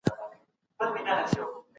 د چا حق بايد غصب نه سي.